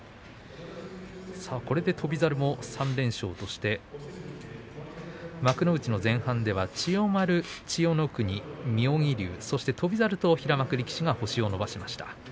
これで翔猿は３連勝として幕内の前半では千代丸、千代の国妙義龍、そして翔猿と平幕力士が星を伸ばしました。